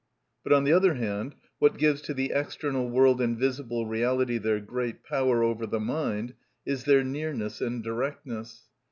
But, on the other hand, what gives to the external world and visible reality their great power over the mind is their nearness and directness.